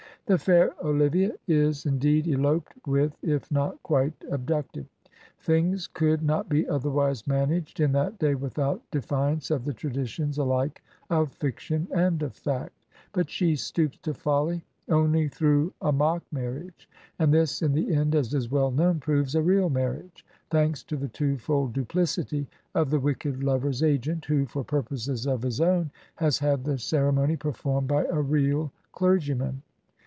The fair Olivia is, indeed, eloped with if not quite abducted; things could not be otherwise managed in that day without defiance of the traditions ahke of fiction and of fact; but she stoops to folly only through a mock marriage, and this in the end, as is well known, proves a real marriage, thanks to the twofold duplicity of the wicked lover's agent, who, for purposes of his own, has had the cere mony performed by a real clergyman.